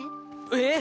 えっ！！